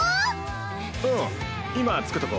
うん今着くとこ。